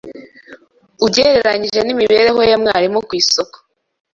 ugereranije n’imibereho ya mwalimu ku isoko